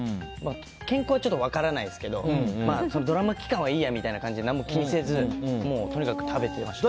健康にはちょっと分からないですけどドラマ期間はいいやみたいな感じで何も気にせずとにかく食べてましたね。